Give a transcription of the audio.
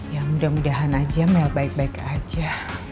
ya mudah mudahan aja mel baik baik aja